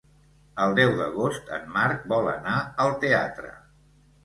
El deu d'agost en Marc vol anar al teatre.